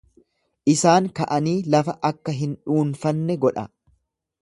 Isaan ka’anii lafa akka hin dhuunfanne godha.